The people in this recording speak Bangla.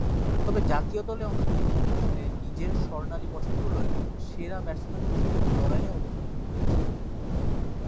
তবে জাতীয় দলে অন্তর্ভূক্তির প্রশ্নে নিজের স্বর্ণালী বছরগুলোয় সেরা ব্যাটসম্যানদের সঙ্গে লড়াইয়ে অবতীর্ণ হতে হয়েছিল।